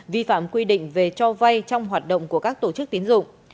vi phạm quy định về cho vay trong hoạt động của các tổ chức tiến dụng